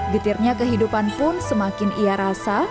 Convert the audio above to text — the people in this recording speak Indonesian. getirnya kehidupan pun semakin ia rasa